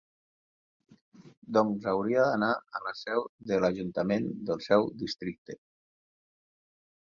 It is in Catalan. Doncs hauria d'anar a la seu de l'Ajuntament del seu districte.